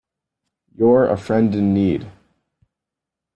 You're a friend in need.